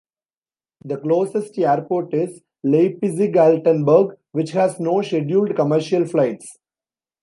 The closest airport is Leipzig-Altenburg, which has no scheduled commercial flights.